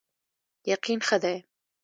یقین ښه دی.